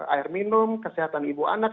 air minum kesehatan ibu anak